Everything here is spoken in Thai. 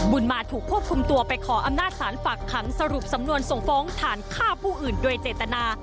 บุญมาถูกควบคุมตัวไปขออำนาจสารฝากขังสรุปสำนวนส่งฟ้องฐานฆ่าผู้อื่นโดยเจตนา